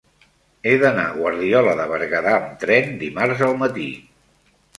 He d'anar a Guardiola de Berguedà amb tren dimarts al matí.